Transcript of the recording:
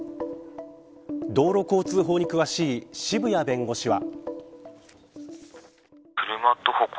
道路交通法に詳しい渋谷弁護士は。